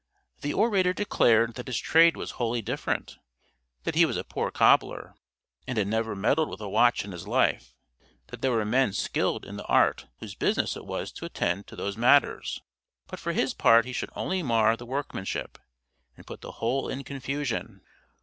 The orator declared that his trade was wholly different that he was a poor cobbler, and had never meddled with a watch in his life that there were men skilled in the art whose business it was to attend to those matters, but for his part he should only mar the workmanship, and put the whole in confusion.